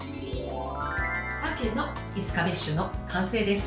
鮭のエスカベッシュの完成です。